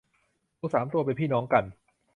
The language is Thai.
หมูสามตัว เป็นพี่น้องกัน